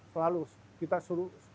selalu kita suruh